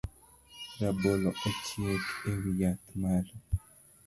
Rabolo ochiek ewiyath malo